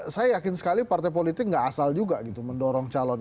saya yakin sekali partai politik nggak asal juga gitu mendorong calon